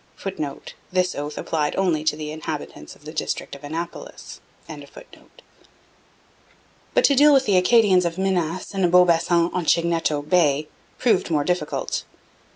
[Footnote: This oath applied only to the inhabitants of the district of Annapolis.] But to deal with the Acadians of Minas and of Beaubassin on Chignecto Bay proved more difficult.